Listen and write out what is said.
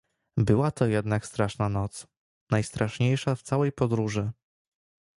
Była to jednak straszna noc — najstraszniejsza w całej podróży.